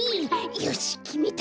よしきめた！